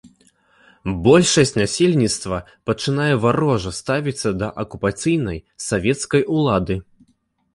Большасць насельніцтва пачынае варожа ставіцца да акупацыйнай савецкай улады.